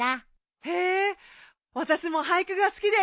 へえ私も俳句が好きです！